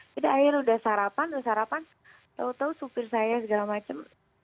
jadi akhirnya udah sarapan udah sarapan tau tau supir saya segala macam